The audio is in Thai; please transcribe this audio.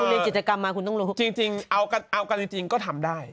คุณเรียนจิตรกรรมมาคุณต้องรู้จริงจริงเอากันเอากันจริงจริงก็ทำได้